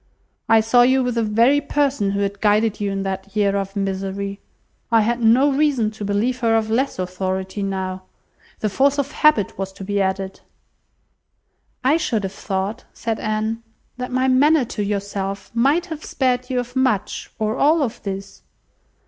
I saw you with the very person who had guided you in that year of misery. I had no reason to believe her of less authority now. The force of habit was to be added." "I should have thought," said Anne, "that my manner to yourself might have spared you much or all of this."